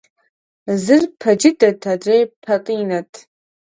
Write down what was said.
Зыр пэ джыдэт, адрейр пэтӏинэт.